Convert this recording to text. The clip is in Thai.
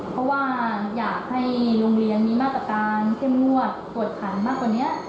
เพราะว่าอยากให้โรงเรียนมีมาตรการเข้มงวดกวดขันมากกว่านี้